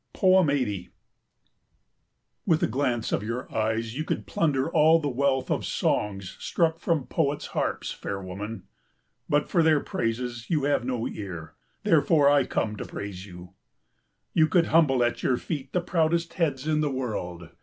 80 With a glance of your eyes you could plunder all the wealth of songs struck from poets' harps, fair woman! But for their praises you have no ear, therefore I come to praise you. You could humble at your feet the proudest heads in the world.